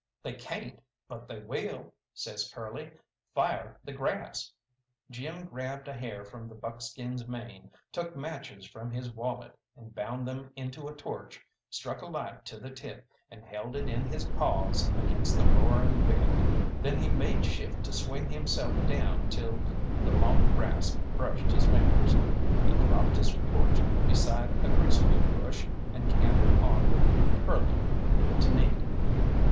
"They cayn't, but they will," says Curly; "fire the grass!" Jim grabbed a hair from the buckskin's mane, took matches from his wallet and bound them into a torch, struck a light to the tip, and held it in his paws against the roaring wind. Then he made shift to swing himself down till the long grass brushed his fingers. He dropped his torch beside a greasewood bush, and cantered on with Curly knee to knee.